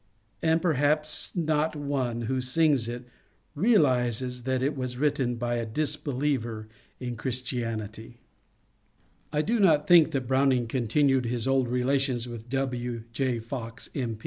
And perhaps not one who sings it realizes that it was written by a disbeliever in Christianity. 30 MONCURE DANIEL CONWAY I do not think that Browning continued his old relations with W. J. Fox, M.